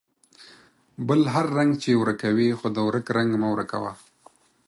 بل هر رنگ چې ورکوې ، خو د ورک رنگ مه ورکوه.